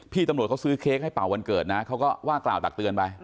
พี่ตำรวจเขาซื้อเค้กให้เป่าวันเกิดนะเขาก็ว่ากล่าวตักเตือนไป